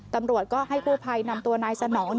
ตำรวจก็ให้กู้ภัยนำตัวนายสนอง